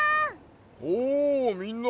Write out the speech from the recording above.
おみんな！